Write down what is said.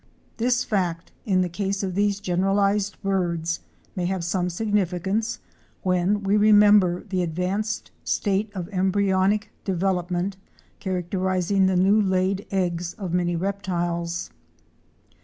'This fact, in the case of these generalized birds, may have some significance when we remember the advanced state of embryonic development characterizing the newly laid eggs of many reptiles.